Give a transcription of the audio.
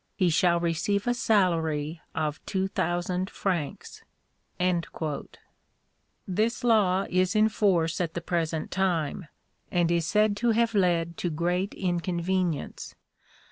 He shall receive a salary of two thousand francs." This law is in force at the present time, and is said to have led to great inconvenience.